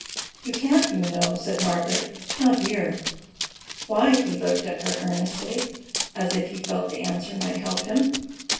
"You can't, you know," said Margaret. "Not here." "Why?" He looked at her earnestly, as if he felt the answer might help him.